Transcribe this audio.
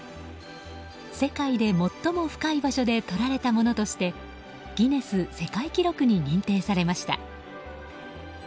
世界で最も深い場所で撮られたものとしてギネス世界記録に認定されました。